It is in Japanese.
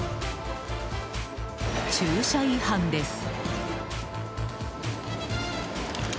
駐車違反です。